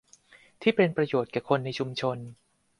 ที่เป็นประโยชน์แก่คนในชุมชน